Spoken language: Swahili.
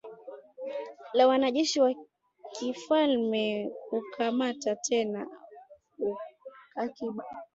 la wanajeshi wa kifalme kukamata tena akiba